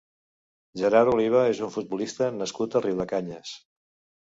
Gerard Oliva és un futbolista nascut a Riudecanyes.